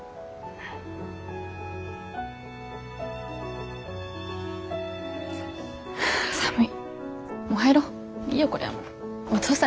はい。